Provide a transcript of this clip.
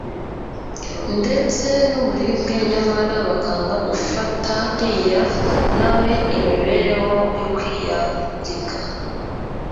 ndetse n'uburibwe nyamara bakanga gufatariya nawe imibereho yo kwiyariga.